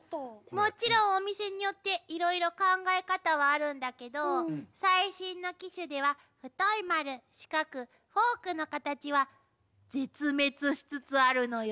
もちろんお店によっていろいろ考え方はあるんだけど最新の機種では太い丸四角フォークのカタチは絶滅しつつあるのよ。